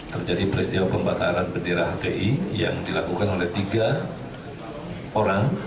terjadi peristiwa pembakaran bendera hti yang dilakukan oleh tiga orang